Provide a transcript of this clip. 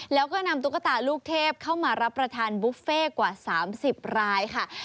แล้วก็นำตุ๊กตาลูกเทพเข้ามารับประทานบุฟเฟ่กว่า๓๐รายค่ะ